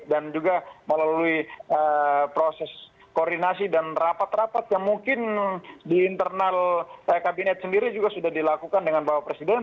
dan juga melalui proses koordinasi dan rapat rapat yang mungkin di internal kabinet sendiri juga sudah dilakukan dengan bapak presiden